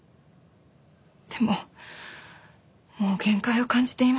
でももう限界を感じていました。